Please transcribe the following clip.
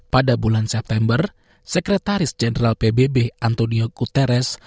pada bulan september sekretaris jenderal pbb antonio kuterres